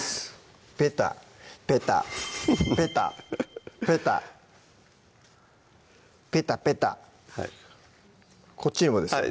ペタペタペタペタペタペタはいこっちにもですよね？